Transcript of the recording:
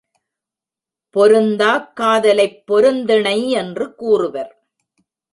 பொருந்தாக் காதலைப் பெருந்திணை என்று கூறுவர்.